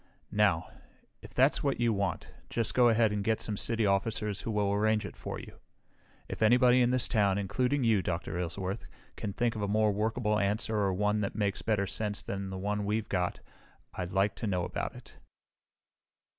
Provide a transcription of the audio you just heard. "Now, if that's what you want, just go ahead and get some city officers who will arrange it for you. If anybody in this town, including you, Dr. Aylesworth, can think of a more workable answer or one that makes better sense than the one we've got I'd like to know about it."